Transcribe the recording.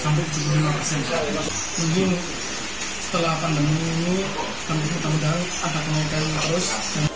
mungkin setelah pandemi ini kami tahu dahulu apa kenaikan yang harus